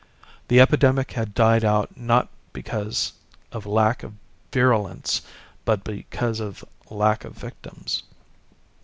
The epidemic had died out not because of lack of virulence but because of lack of victims.